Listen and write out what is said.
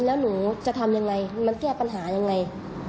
แล้วหนูจะทำยังไงมันแก้ปัญหายังไง